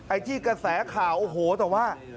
ไอ้ที่กระแสข่าวโอ้โหแต่ว่า